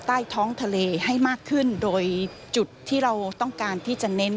ใต้ท้องทะเลให้มากขึ้นโดยจุดที่เราต้องการที่จะเน้น